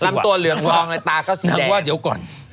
นั่งว่าเดี๋ยวก่อน